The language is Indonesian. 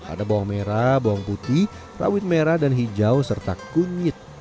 ada bawang merah bawang putih rawit merah dan hijau serta kunyit